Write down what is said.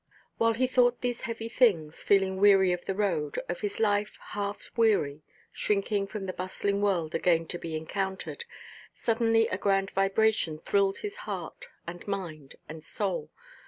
While he thought these heavy things, feeling weary of the road, of his life half weary, shrinking from the bustling world again to be encountered, suddenly a grand vibration thrilled his heart, and mind, and soul.